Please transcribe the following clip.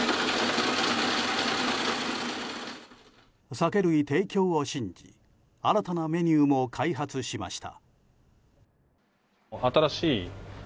酒類提供を信じ新たなメニューも開発しました。